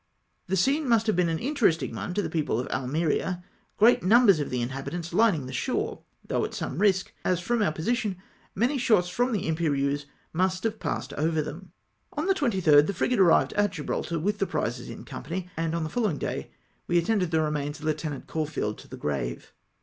Tlic scene must have been an interesting one to the people of Almeria, great numbers of the inhabitants hning the shore, though at some risk, as from our position many shots from the Imperieuse must have passed over them. On the 23rd the frigate arrived at Gibraltar, with the prizes in company, and on the following day we attended the remains of Lieutenant Caulheld to the grave.